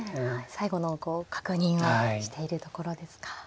最後の確認をしているところですか。